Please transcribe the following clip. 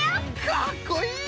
かっこいい！